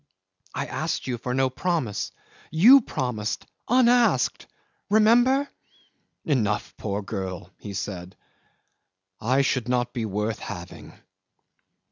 I asked you for no promise. You promised unasked remember." "Enough, poor girl," he said. "I should not be worth having."